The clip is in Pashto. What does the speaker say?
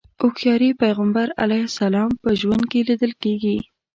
هوښياري پيغمبر علیه السلام په ژوند کې ليدل کېږي.